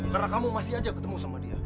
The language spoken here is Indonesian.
paplah kamledek lista wars